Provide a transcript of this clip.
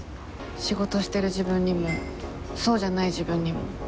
仕事してる自分にもそうじゃない自分にも。